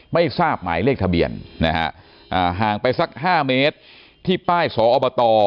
ไม่ทราบหมายเลขทะเบียนนะฮะห่างไปสัก๕เมตรที่ป้ายสอบต